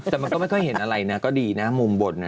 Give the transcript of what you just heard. แต่มันก็ไม่ค่อยเห็นอะไรนะก็ดีนะมุมบ่นนะ